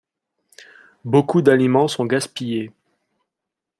Beaucoup d'aliments sont gaspillées.